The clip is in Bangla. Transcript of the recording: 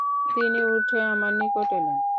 তিনি উঠে আমার নিকট এলেন।